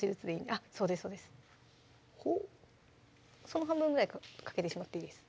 その半分ぐらいかけてしまっていいです